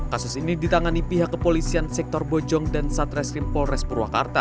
kasus ini ditangani pihak kepolisian sektor bojong dan satreskrim polres purwakarta